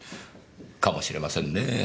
かもしれませんねぇ。